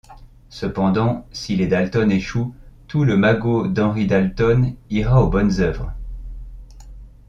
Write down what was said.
Cependant, si les Dalton échouent, tout le magot d'Henry Dalton ira aux bonnes œuvres.